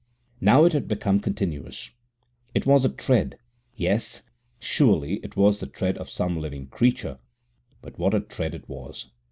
Now it had become continuous. It was a tread yes, surely it was the tread of some living creature. But what a tread it was!